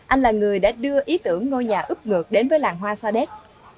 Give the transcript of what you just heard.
anh là người đã đưa ý tưởng ngôi nhà ướp ngược đến với làng hoa sa đéc